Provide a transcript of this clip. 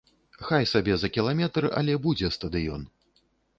Хай сабе за кіламетр, але будзе стадыён.